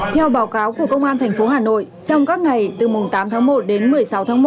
theo báo cáo của công an tp hà nội trong các ngày từ mùng tám tháng một đến một mươi sáu tháng một